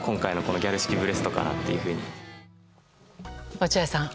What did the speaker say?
落合さん。